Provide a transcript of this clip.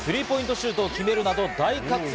シュートを決めるなど大活躍。